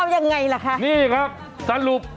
ยังไงล่ะคะนี่ครับสรุป